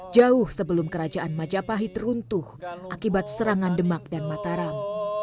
jauh sebelum kerajaan majapahit runtuh akibat serangan demak dan mataram